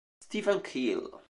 Stephen Keel